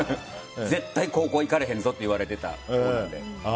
絶対、高校行かれへんぞって言われてたので。